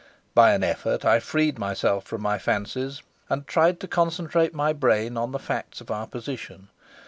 By an effort I freed myself from my fancies and tried to concentrate my brain on the facts of our position.